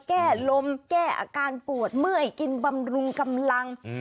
แก้ลมแก้อาการปวดเมื่อยกินบำรุงกำลัง